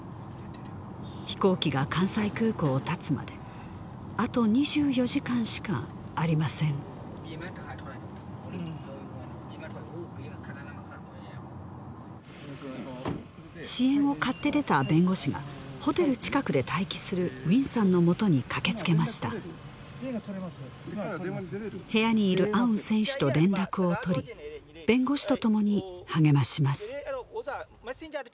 飛行機が関西空港をたつまであと２４時間しかありません支援を買って出た弁護士がホテル近くで待機するウィンさんのもとに駆けつけました部屋にいるアウン選手と連絡を取り弁護士と共に励まします